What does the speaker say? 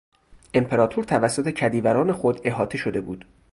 امپراطور توسط کدیوران خود احاطه شده بود.